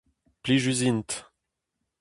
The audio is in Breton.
Plijus int !